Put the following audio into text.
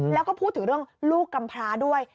แล้วก็พูดถึงเรื่องลูกกำพร้าด้วย